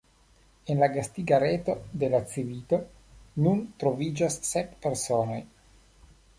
En la gastiga reto de la Civito nun troviĝas sep personoj.